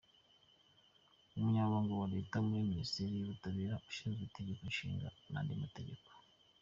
Umunyamabanga wa Leta muri Minisiteri y’Ubutabera ushinzwe Itegeko Nshinga n’andi Mategeko.